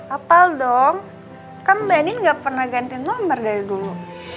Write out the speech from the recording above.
apal dong kan mbak anin gak pernah gantain nomer dari dulu